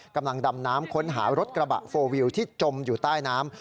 กำลังดำน้ำค้นหารถกระบะโฟลวิวที่จมอยู่ใต้น้ำ